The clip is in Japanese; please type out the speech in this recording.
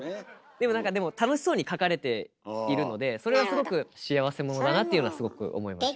でも何かでも楽しそうに書かれているのでそれはすごく幸せ者だなっていうのはすごく思いましたね。